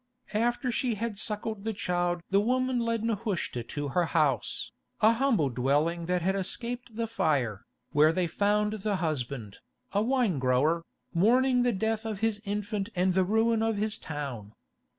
After she had suckled the child the woman led Nehushta to her house, a humble dwelling that had escaped the fire, where they found the husband, a wine grower, mourning the death of his infant and the ruin of his town.